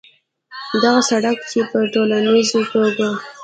دغه سړک چې په ټولیزه توګه